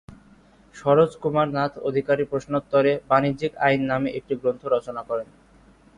সরোজ কুমার নাথ অধিকারী প্রশ্নোত্তরে বাণিজ্যিক আইন নামে একটি গ্রন্থ রচনা করেন।